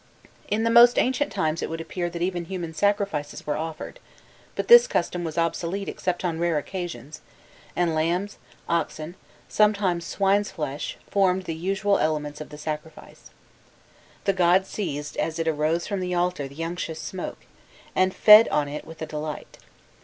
In the most ancient times it would appear that even human sacrifices were offered, but this custom was obsolete except on rare occasions, and lambs, oxen, sometimes swine's flesh, formed the usual elements of the sacrifice. The gods seized as it arose from the altar the unctuous smoke, and fed on it with delight.